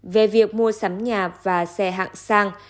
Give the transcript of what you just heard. về việc mua sắm nhà và xe hạng sang